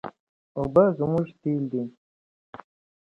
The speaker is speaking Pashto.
اوبه زموږ تېل دي.